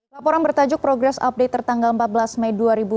laporan bertajuk progres update tertanggal empat belas mei dua ribu dua puluh